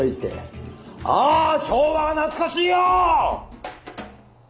「ああ昭和が懐かしいよ！」